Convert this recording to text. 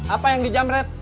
apa yang dijamret